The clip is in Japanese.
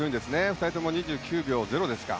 ２人とも２９秒０ですか。